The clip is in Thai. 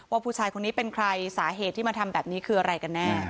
ว่าผู้ชายคนนี้เป็นใครสาเหตุที่มาทำแบบนี้คืออะไรกันแน่